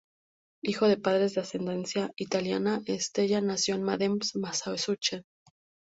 Hijo de padres de ascendencia italiana, Stella nació en Malden, Massachusetts.